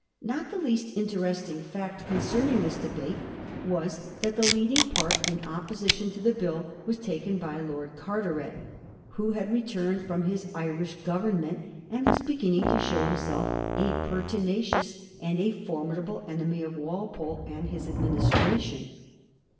Not the least interesting feet concerning this debate was that the leading part in opposition to the Bill was taken by Lord Carteret, who had returned from his Irish Grovernment, and was beginning to show himself a pertinacious and a formidable enemy of Walpole and his administration.